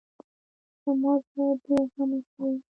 زما زړه بې غمه شوی و.